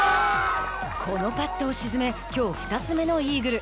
このパットを沈めきょう２つ目のイーグル。